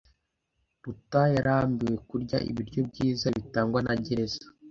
Ruta yarambiwe kurya ibiryo byiza bitangwa na gereza.